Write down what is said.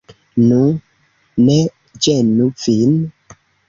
Nu, ne ĝenu vin!